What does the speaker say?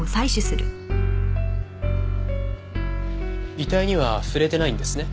遺体には触れてないんですね？